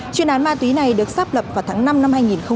chuyên án ma túy này được sắp lập vào tháng năm năm hai nghìn hai mươi một